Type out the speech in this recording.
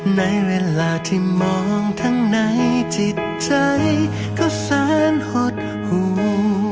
ในเวลาที่มองทั้งในจิตใจก็แสนหดหู